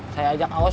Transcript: saya ajak awos